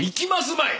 まい